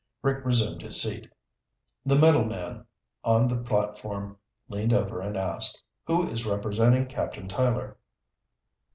Rick resumed his seat. The middle man on the platform leaned over and asked, "Who is representing Captain Tyler?"